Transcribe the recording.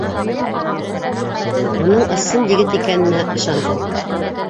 Уның ысын егет икәненә ышандым.